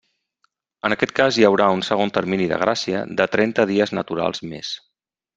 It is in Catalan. En aquest cas, hi haurà un segon termini de gràcia de trenta dies naturals més.